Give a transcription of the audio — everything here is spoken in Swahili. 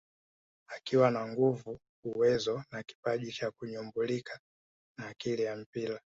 Akiwa na nguvu uwezo na kipaji cha kunyumbulika na akili ya mpira